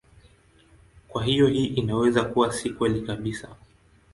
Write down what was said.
Kwa hiyo hii inaweza kuwa si kweli kabisa.